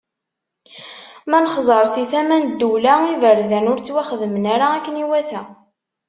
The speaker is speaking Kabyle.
Ma nexẓer si tama n ddula: Iberdan ur ttwaxedmen ara akken iwata.